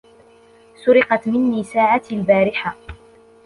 سُرقت مني ساعتي البارحة.